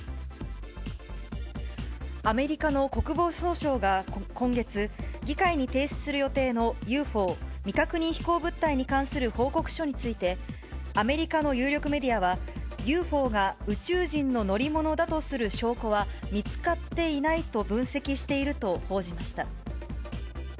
アメリカの国防総省が今月、議会に提出する予定の、ＵＦＯ・未確認飛行物体に関する報告書について、アメリカの有力メディアは、ＵＦＯが宇宙人の乗り物だとする証拠は見つかっていないと分析していると報じました。